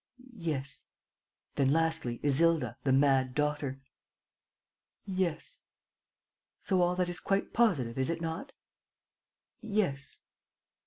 "Yes." "Then, lastly, Isilda, the mad daughter. ..." "Yes." "So all that is quite positive, is it not?" "Yes."